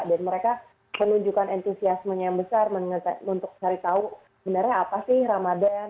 dan mereka menunjukkan entusiasmenya yang besar untuk cari tahu sebenarnya apa sih ramadan